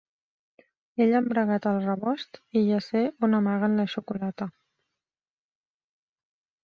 He llambregat el rebost i ja sé on amaguen la xocolata.